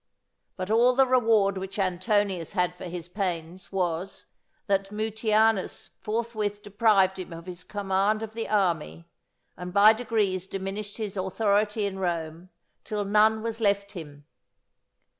But all the reward which Antonius had for his pains, was, that Mutianus forthwith deprived him of his command of the army, and by degrees diminished his authority in Rome till none was left him.